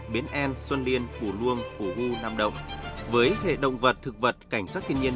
biến en xuân liên củ luông củ hưu nam động với hệ động vật thực vật cảnh sát thiên nhiên